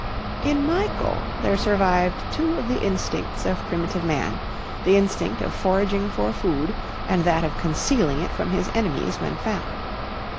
In Michael there survived two of the instincts of primitive man, the instinct of foraging for food and that of concealing it from his enemies when found.